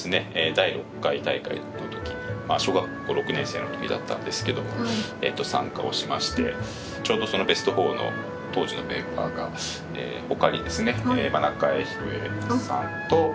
第６回大会の時に小学校６年生の時だったんですけども参加をしましてちょうどそのベスト４の当時のメンバーがほかにですね